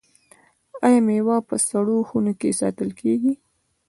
آیا میوه په سړو خونو کې ساتل کیږي؟